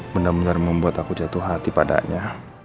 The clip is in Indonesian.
benar benar membuat aku jatuh hati padanya